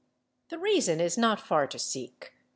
The reason is not far to seek.